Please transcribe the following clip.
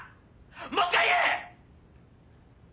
もう１回言え！